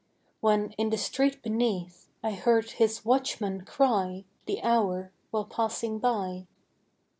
When, in the street beneath, I heard his watchman cry The hour, while passing by.